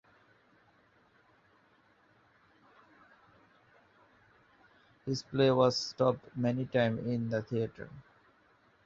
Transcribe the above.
His play was stopped many time in the theater.